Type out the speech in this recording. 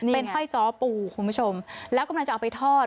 เป็นไส้จ้อปูคุณผู้ชมแล้วกำลังจะเอาไปทอด